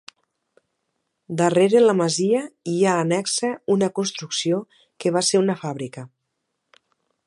Darrere la masia hi ha annexa una construcció que va ser una fàbrica.